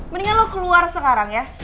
mendingan lo keluar sekarang ya